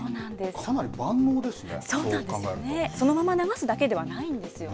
かなり万能ですね。